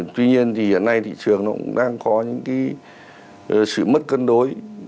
tuy nhiên thì hiện nay thị trường nó cũng đang có những cái sự mất cân đối